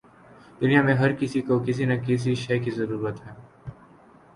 دنیا میں ہر کسی کو کسی نہ کسی شے کی ضرورت ہے۔